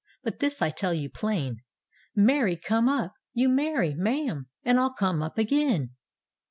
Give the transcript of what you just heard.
But this I tell you plain, Marry come upt you marry, ma'am, And rU come up again."